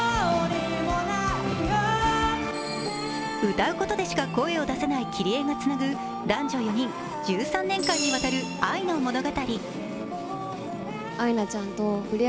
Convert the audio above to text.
歌うことでしか声を出せないキリエがつなぐ男女４人、１３年間にわたる愛の物語。